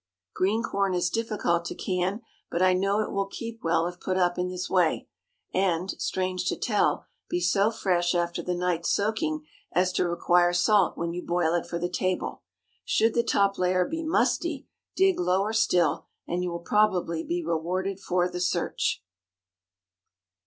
Green corn is difficult to can, but I know it will keep well if put up in this way. And, strange to tell, be so fresh after the night's soaking as to require salt when you boil it for the table. Should the top layer be musty, dig lower still, and you will probably be rewarded for the search.